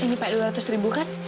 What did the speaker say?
ini pak dua ratus ribu kan